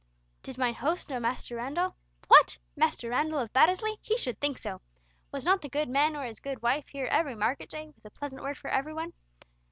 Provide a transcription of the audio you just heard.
Did mine host know Master Randall? What, Master Randall of Baddesley? He should think so! Was not the good man or his good wife here every market day, with a pleasant word for every one!